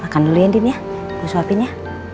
makan dulu ya andin ya gue suapin ya